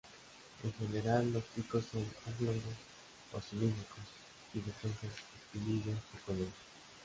En general, los picos son oblongos o cilíndricos y densas espiguillas bicolor.